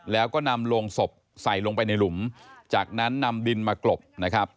แล้วก็นำโรงศพใส่ลงไปในหลุมจากนั้นนำดินมากรบนะครับ